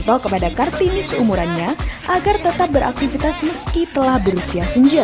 atau kepada kartini seumurannya agar tetap beraktivitas meski telah berusia senja